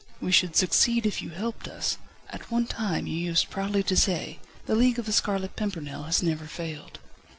"We should succeed if you helped us. At one time you used proudly to say: 'The League of The Scarlet Pimpernel has never failed.'"